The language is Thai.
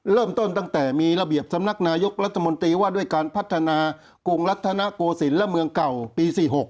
เริ่มต้นตั้งแต่มีระเบียบสำนักนายกรัฐมนตรีว่าด้วยการพัฒนากรุงรัฐนโกศิลป์และเมืองเก่าปี๔๖